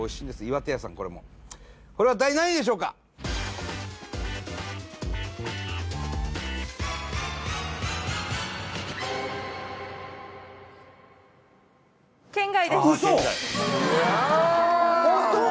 巖手屋さんこれもこれは第何位でしょうかウソッホント？